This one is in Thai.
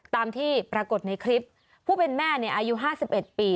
ตามที่ปรากฏในคลิปผู้เป็นแม่ในอายุห้าสิบเอ็ดปี